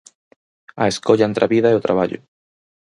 A escolla entre a vida e o traballo.